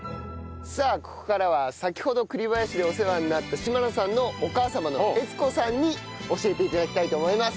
さあここからは先ほど栗林でお世話になった嶋野さんのお母様の悦子さんに教えて頂きたいと思います。